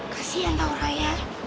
kasian tau raya